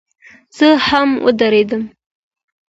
زه هم ودرېدم.